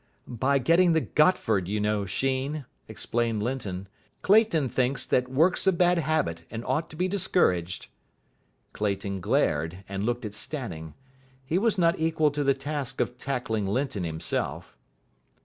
"By getting the Gotford, you know, Sheen," explained Linton. "Clayton thinks that work's a bad habit, and ought to be discouraged." Clayton glared, and looked at Stanning. He was not equal to the task of tackling Linton himself.